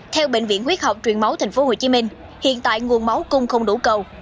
theo bệnh viện huyết học truyền máu tp hcm hiện tại nguồn máu cung không đủ cầu